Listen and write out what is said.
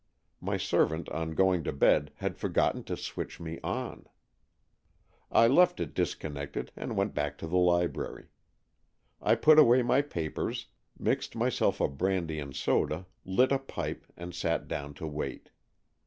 My servant on going to bed had forgotten to switch me on. I left it disconnected and went back to the library. I put away my papers, mixed my self a brandy and soda, lit a pipe and sat down to wait.